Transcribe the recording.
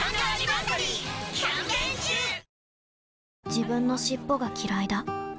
自分の尻尾がきらいだ